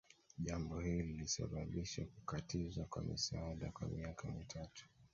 Jambo hili lilisababisha kukatizwa kwa misaada kwa miaka mitatu